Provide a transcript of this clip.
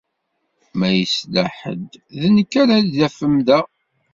Ma yesla ḥedd, d nekk ara d-tafem da.